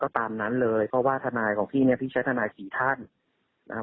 ตามนั้นเลยเพราะว่าทนายของพี่เนี้ยพี่ใช้ทนายสี่ท่านนะฮะ